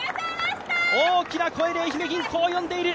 大きな声で愛媛銀行、呼んでいる。